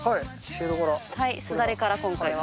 すだれから今回は。